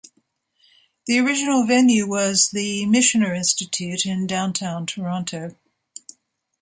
The original venue was the Michener Institute in downtown Toronto.